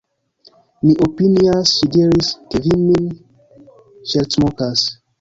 Mi opinias, ŝi diris, ke vi min ŝercmokas.